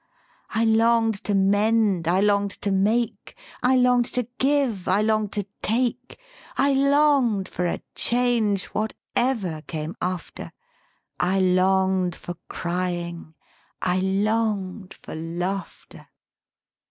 I long'd to mend, I long'd to make; I long'd to give, I long'd to take; THE SPEAKING VOICE I long'd for a change, whatever came after, I long'd for crying, I long'd for laughter.